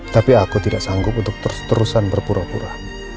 tapi aku tidak sanggup untuk terus terusan berpura pura